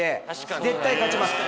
絶対勝ちます。